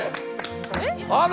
ある！